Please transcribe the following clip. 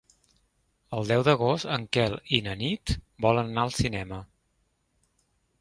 El deu d'agost en Quel i na Nit volen anar al cinema.